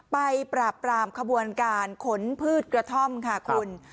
ปราบปรามขบวนการขนพืชกระท่อมค่ะคุณ